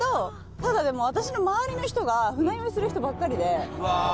ただでも私の周りの人が船酔いする人ばっかりで友達が。